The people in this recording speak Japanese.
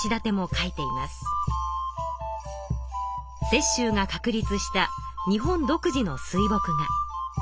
雪舟が確立した日本独自の水墨画。